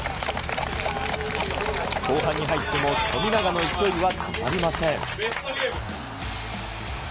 後半に入っても、富永の勢いは止まりません。